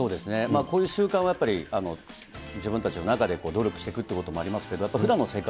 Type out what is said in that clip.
こういう習慣はやっぱり自分たちの中で努力していくということもあります